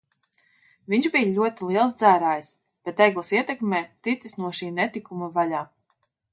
Viņš bija ļoti liels dzērājs, bet Egles ietekmē ticis no šī netikuma vaļā.